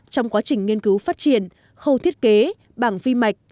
trong quá trình nghiên cứu phát triển khâu thiết kế bảng vi mạch